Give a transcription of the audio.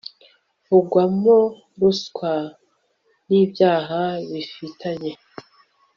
vugwamo ruswa n ibyaha bifitanye